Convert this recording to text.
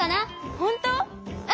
ほんとう？